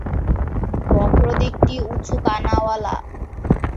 বক্র দিকটি উঁচু কানাওয়ালা।